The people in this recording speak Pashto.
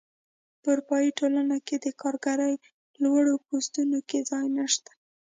په اروپايي ټولنه کې د کارګرۍ لوړو پوستونو کې ځای نشته.